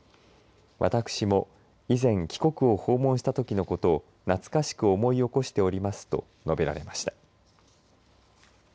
私も以前貴国を訪問したときのことを懐かしく思い起こしておりますと述べられました。